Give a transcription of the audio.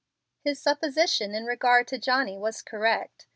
His supposition in regard to Johnny was correct.